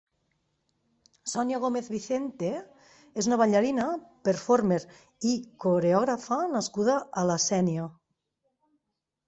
Sonia Gómez Vicente és una ballarina, performer i coreògrafa nascuda a la Sénia.